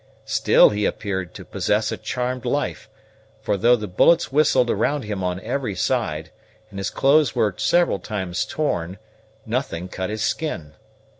Still he appeared to possess a charmed life; for, though the bullets whistled around him on every side, and his clothes were several times torn, nothing cut his skin.